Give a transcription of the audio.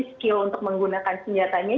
skill untuk menggunakan senjatanya